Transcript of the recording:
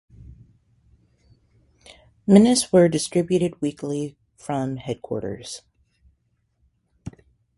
Menus were distributed weekly from headquarters.